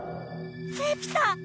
できた！